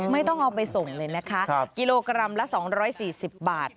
ไม่ต้องเอาไปส่งเลยนะคะกิโลกรัมละ๒๔๐บาท